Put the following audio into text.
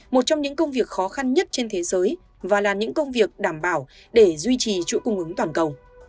một trong những công việc khó khăn nhất trên thế giới và là những công việc đảm bảo để duy trì chuỗi cung ứng toàn cầu